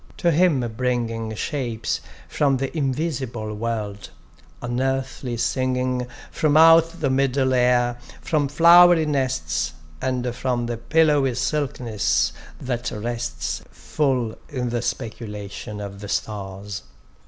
to him bringing Shapes from the invisible world, unearthly singing from out the middle air, from flowery nests, And from the pillowy silkiness that rests Full in the speculation of the stars.